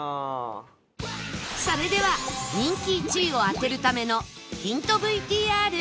それでは人気１位を当てるためのヒント ＶＴＲ